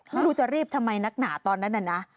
นั่นดูจะรีบทำไมนักหนาตอนนั้นนะ